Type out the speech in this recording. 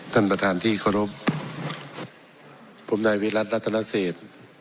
ท่านประธานที่ขอรพผมนายเวลลัตรรัฐนะเศษ